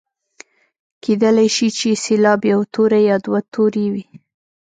کیدلای شي چې سېلاب یو توری یا دوه توري وي.